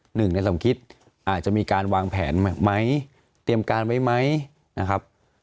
หนึ่งในสมคิดอาจจะมีการวางแผนไหมเตรียมการไว้ไหมนะครับ